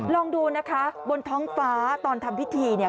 ลองดูนะคะบนท้องฟ้าตอนทำพิธีเนี่ย